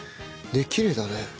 きれいだね。